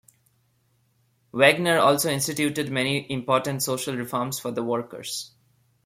Wegner also instituted many important social reforms for the workers.